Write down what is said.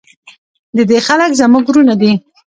د دې خلک زموږ ورونه دي